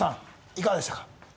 いかがでしたか？